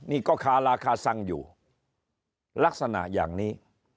นี่ก็คาราคาซังอยู่ลักษณะอย่างนี้